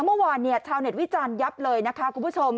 เมื่อวานเนี่ยชาวเน็ตวิจารณ์ยับเลยนะคะคุณผู้ชม